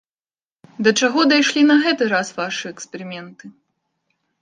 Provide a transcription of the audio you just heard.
Да чаго дайшлі на гэты раз вашы эксперыменты?